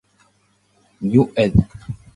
New ed.